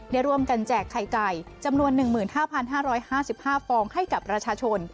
ได้ร่วมกันแจกไข่ไก่จำนวน๑๕๕๕ฟองให้กับประชาชน